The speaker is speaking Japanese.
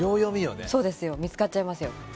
見つかっちゃいますよ。